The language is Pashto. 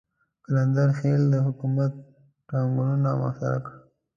قلندر خېل د حکومت ټانګونو محاصره کړ.